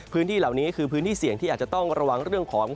พื้นที่เหล่านี้คือพื้นที่เสี่ยงที่อาจจะต้องระวังเรื่องของ